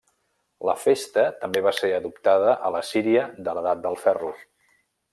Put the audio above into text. La festa també va ser adoptada a l'Assíria de l'Edat del Ferro.